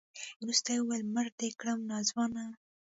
وروسته يې وويل مړ دې کړم ناځوانه.